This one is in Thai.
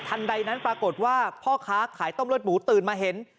ใดนั้นปรากฏว่าพ่อค้าขายต้มเลือดหมูตื่นมาเห็น